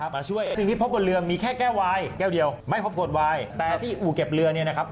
สิ่งที่พบบนเรือมีแค่แก้ววายแก้วเดียวไม่พบขวดวายแต่ที่อู่เก็บเรือเนี่ยนะครับ